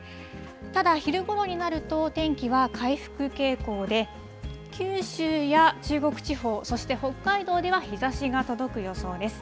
ただ、昼ごろになると、天気は回復傾向で、九州や中国地方、そして北海道では、日ざしが届く予想です。